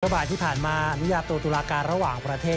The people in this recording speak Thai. ประมาณที่ผ่านมานิยาตัวตุลาการระหว่างประเทศ